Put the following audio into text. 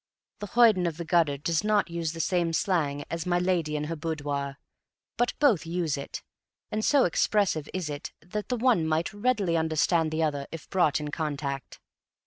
The hoyden of the gutter does not use the same slang as my lady in her boudoir, but both use it, and so expressive is it that the one might readily understand the other if brought in contact.